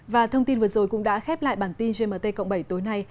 và thông tin vừa rồi cũng đã khép lại bản tin gmt cộng bảy tối nay